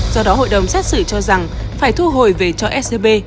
do đó hội đồng xét xử cho rằng phải thu hồi về cho scb